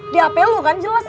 di hp lu kan jelas